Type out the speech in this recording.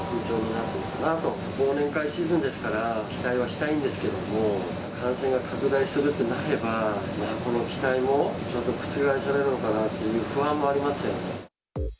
あと忘年会シーズンですから、期待はしたいんですけども、感染が拡大するとなれば、この期待もまたちょっと覆されるのかなっていう不安もありますよね。